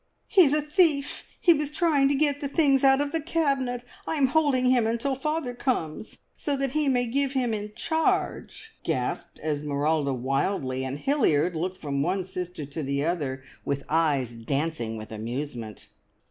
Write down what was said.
"He's a thief! He was trying to get the things out of the cabinet. I am holding him until father comes, so that he may give him in charge!" gasped Esmeralda wildly; and Hilliard looked from one sister to the other with eyes dancing with amusement.